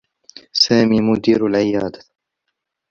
سامي مدير العيادة.